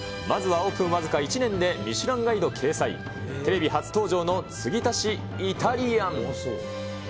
まずはオープン僅か１年でミシュランガイド掲載、テレビ初登場の継ぎ足しイタリアン。